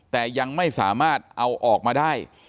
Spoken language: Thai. แต่ยังไม่สามารถเอาออกมาได้